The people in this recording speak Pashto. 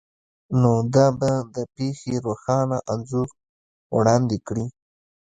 نو دا به د پیښې روښانه انځور وړاندې کړي